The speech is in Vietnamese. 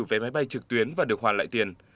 vé máy bay trực tuyến và được hoàn lại tiền